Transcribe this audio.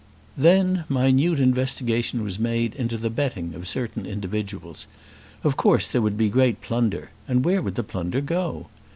Then minute investigation was made into the betting of certain individuals. Of course there would be great plunder, and where would the plunder go?